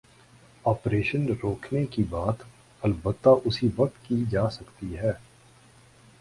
Operation روکنے کی بات، البتہ اسی وقت کی جا سکتی ہے۔